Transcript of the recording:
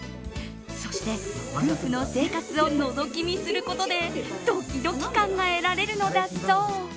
そして夫婦の生活をのぞき見することでドキドキ感が得られるのだそう。